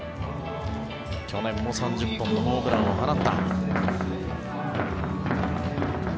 去年も３０本のホームランを放った。